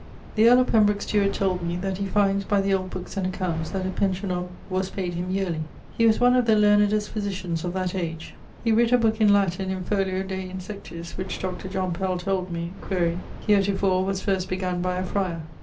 The earl of Pembroke's steward told me that he findes by the old bookes and accounts that a pension of ... was payd him yearly. He was one of the learnedest physitians of that age. He writt a booke in Latin in folio de insectis which Dr. John Pell told me (quaere) heretofore was first begun by a friar....